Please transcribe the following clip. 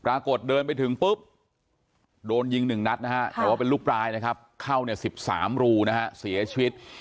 ปรากฏเดินไปถึงปุ๊บโดนยิง๑นัดนะฮะแต่ว่าเป็นลูกปลายนะครับเข้าเนี่ย๑๓รูนะฮะเสียชีวิต